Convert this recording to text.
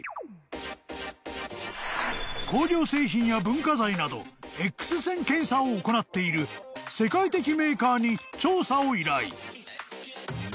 ［工業製品や文化財などエックス線検査を行っている世界的メーカーに調査を依頼］